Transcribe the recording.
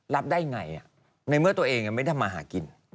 รับได้ไงในเมื่อตัวเองไม่ได้ทำมาหากิน